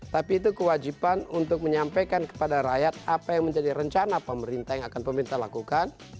tapi itu kewajiban untuk menyampaikan kepada rakyat apa yang menjadi rencana pemerintah yang akan pemerintah lakukan